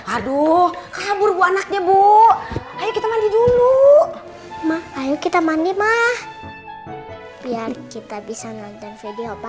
aduh kabur bu anaknya bu ayo kita mandi dulu maaf ayo kita mandi mah biar kita bisa nonton video